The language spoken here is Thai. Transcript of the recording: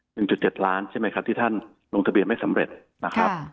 หนึ่งจุดเจ็ดล้านใช่ไหมครับที่ท่านลงทะเบียนไม่สำเร็จนะครับ